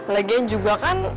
legen juga kan